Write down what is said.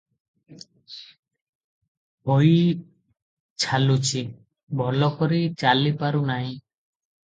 ହୋଇ ଛାଲୁଛି, ଭଲ କରି ଚାଲି ପାରୁନାହିଁ ।